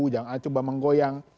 jangan ada yang coba menggoyang